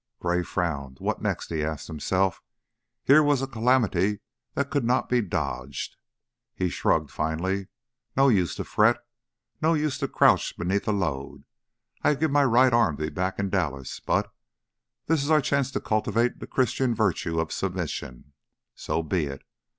Gray frowned. What next? he asked himself. Here was a calamity that could not be dodged. He shrugged, finally. "No use to fret. No use to crouch beneath a load. I'd give my right arm to be back in Dallas, but this is our chance to cultivate the Christian virtue of submission. So be it!